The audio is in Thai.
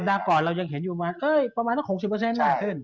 สัปดาห์ก่อนเรายังเห็นอยู่มาเอ้ยประมาณต้องหกสิบเปอร์เซ็นต์มากขึ้น